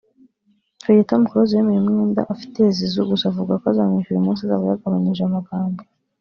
Icyo gihe Tom Close yemeye umwenda afitiye Zizou gusa avuga ko azamwishyura umunsi azaba yagabanyije amagambo